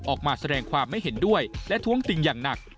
ออกมาแสดงความไม่เห็นด้วยและท้วงติงอย่างหนัก